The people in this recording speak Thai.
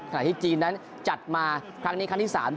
ที่จีนนั้นจัดมาครั้งนี้ครั้งที่๓